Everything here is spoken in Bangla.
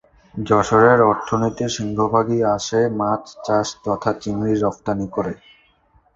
যশোরের অর্থনীতির সিংহভাগই আসে মাছ চাষ তথা চিংড়ি রফতানি করে।